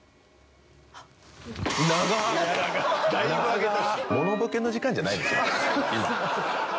だいぶ上げた。